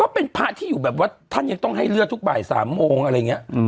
เป็นพระที่อยู่แบบว่าท่านยังต้องให้เลือดทุกบ่าย๓โมงอะไรอย่างนี้